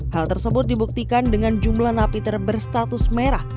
hal tersebut dibuktikan dengan jumlah napi terberstatus merah